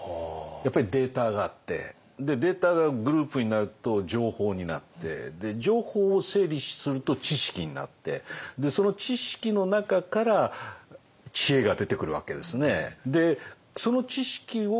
やっぱりデータがあってデータがグループになると情報になって情報を整理すると知識になってその知識の中から知恵が出てくるわけですね。